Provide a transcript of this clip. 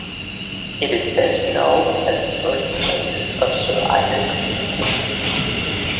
It is best known as the birthplace of Sir Isaac Newton.